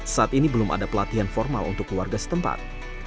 saat ini belum ada pelatihan formal untuk keluarga setempat